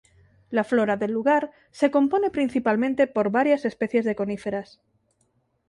La flora del lugar se compone principalmente por varias especies de coníferas.